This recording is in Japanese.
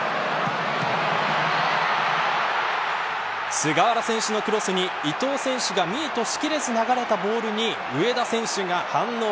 菅原選手のクロスに伊東選手がミートしきれず流れたボールに上田選手が反応。